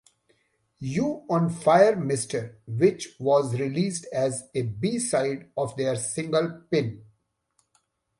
Your on Fire Mr.", which was released as a B-side of their single "Pin".